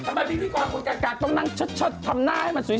ทำไมพี่พี่ก่อนคุณกะกะต้องนั่งชดทำหน้าให้มันสวย